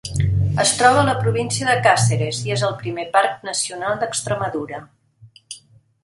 Es troba a la província de Càceres, i és el primer parc nacional d'Extremadura.